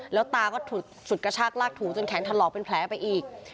แล้วตาก็สุดกระชากลากถูจนแขนถลอกเป็นแผลไปอีก